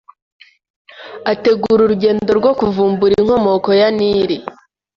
ategura urugendo rwo kuvumbura inkomoko ya Nili